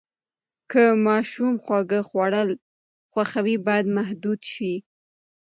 که ماشوم خواږه خوړل خوښوي، باید محدود شي.